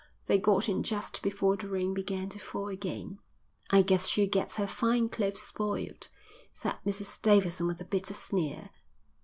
They got in just before the rain began to fall again. "I guess she'll get her fine clothes spoilt," said Mrs Davidson with a bitter sneer.